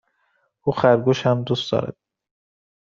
او خرگوش هم دوست دارد.